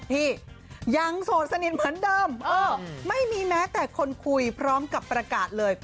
ที่ยังโสดสนิทเหมือนเดิมไม่มีแม้แต่คนคุยพร้อมกับประกาศเลย